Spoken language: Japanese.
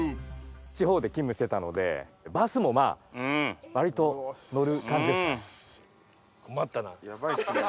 地方で勤務してたのでバスもまあわりと乗る感じでした。